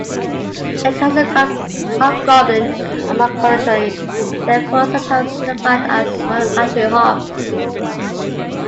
The castle hobgoblin at Malencontri, and therefore sometimes identified as 'Malencontri hob'.